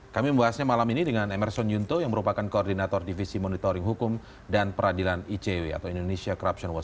kami membahasnya malam ini dengan emerson yunto yang merupakan koordinator divisi monitoring hukum dan peradilan icw atau indonesia corruption watch